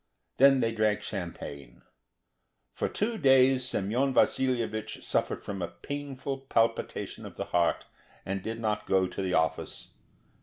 Then they drank champagne. For two days Semyon Vasilyevich suffered from a painful palpitation of the heart, and did not go to the office.